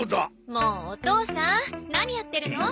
もうお父さん何やってるの？